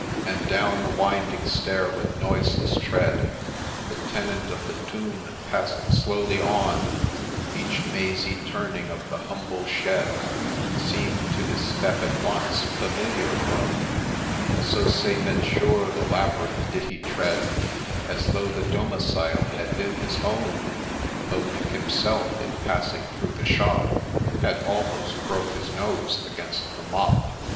And down the winding stair, with noiseless tread, The tenant of the tomb pass'd slowly on, Each mazy turning of the humble shed Seem'd to his step at once familiar grown, So safe and sure the labyrinth did he tread As though the domicile had been his own, Though Nick himself, in passing through the shop, Had almost broke his nose against the mop.